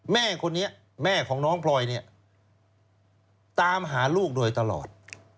แม่คนนี้แม่ของน้องพลอยเนี่ยตามหาลูกโดยตลอด